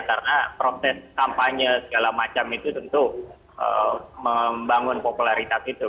karena proses kampanye segala macam itu tentu membangun popularitas itu